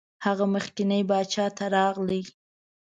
هغه مخکني باچا ته راغی.